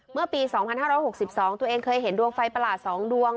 เมื่อปีสองพันห้าร้อยหกสิบสองตัวเองเคยเห็นดวงไฟประหลาดสองดวง